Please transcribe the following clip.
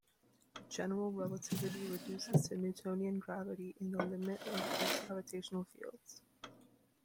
General relativity reduces to Newtonian gravity in the limit of weak gravitational fields.